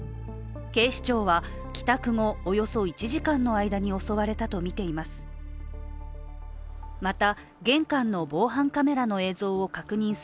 警視庁は帰宅後およそ１時間の間に襲われたとみています。